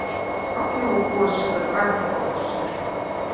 Aplūkosi, kad atbrauksi.